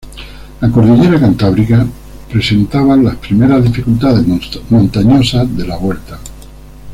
La cordillera Cantábrica presentaba las primeras dificultades montañosas de la Vuelta.